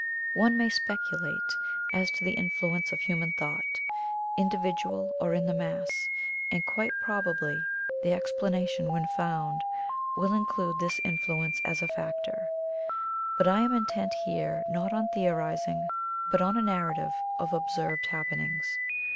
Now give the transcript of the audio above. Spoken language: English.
One may speculate as to the influence of human thought, individ ual or in the mass, and quite probably the explanation when found will include this influence as a factor — but I am intent here not on theorizing, but on a narrative of ob served happenings.